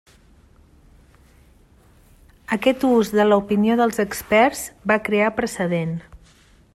Aquest ús de l'opinió dels experts va crear precedent.